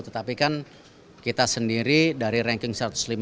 tetapi kan kita sendiri dari ranking satu ratus lima puluh